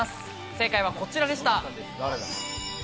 正解はこちらでした。